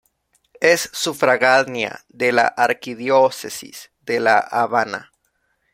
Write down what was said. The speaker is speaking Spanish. Es sufragánea de la Arquidiócesis de La Habana.